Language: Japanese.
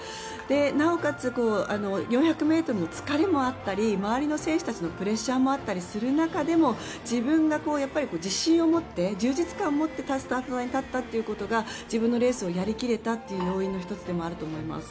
なおかつ４００ｍの疲れもあったり周りの選手のプレッシャーもあったりする中でも自分が自信を持って充実感を持ってできたというのは自分のレースをやり切れた要因の１つでもあると思います。